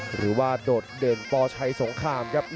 หรือว่าโดดเด่นปอชัยสงครามครับ